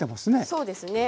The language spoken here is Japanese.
そうですね。